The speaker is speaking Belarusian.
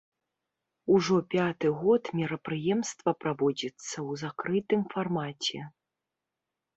Ужо пяты год мерапрыемства праводзіцца ў закрытым фармаце.